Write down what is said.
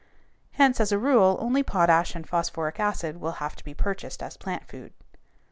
Hence, as a rule, only potash and phosphoric acid will have to be purchased as plant food.